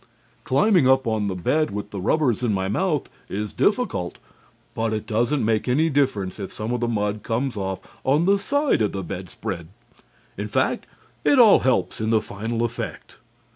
"Climbing up on the bed with the rubbers in my mouth is difficult, but it doesn't make any difference if some of the mud comes off on the side of the bedspread. In fact, it all helps in the final effect.